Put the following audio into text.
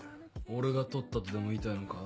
俺が取ったとでも言いたいのか？